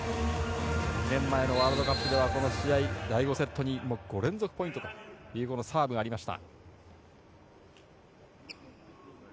２年前のワールドカップでは第５セットに５連続ポイントというサーブがありました。